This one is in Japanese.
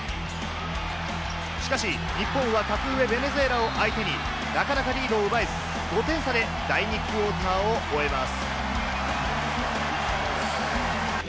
しかし日本は格上・ベネズエラを相手になかなかリードを奪えず、５点差で第２クオーターを終えます。